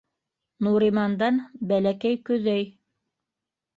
Нуримандан - бәләкәй көҙәй;